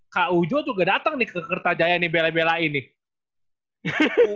kak ujo tuh nggak datang nih ke kertajaya nih bela belain nih